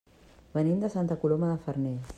Venim de Santa Coloma de Farners.